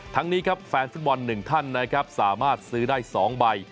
ทั้งนี้แฟนบอน๑ท่านสามารถซื้อได้๒ใบ